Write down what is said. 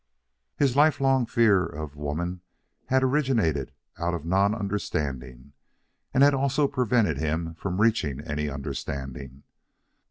His lifelong fear of woman had originated out of non understanding and had also prevented him from reaching any understanding.